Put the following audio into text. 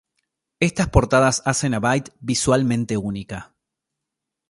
Estas portadas hacen a "Byte" visualmente única.